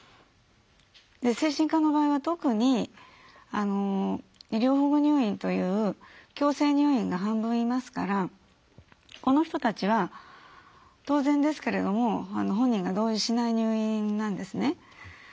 精神科の場合は特に医療保護入院という強制入院が半分いますからこの人たちは当然ですけれども本人が同意しない入院なんですね。